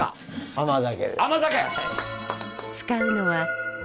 甘酒！